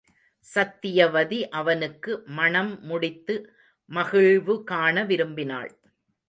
சத்தியவதி அவனுக்கு மணம் முடித்து மகிழ்வு காண விரும்பினாள்.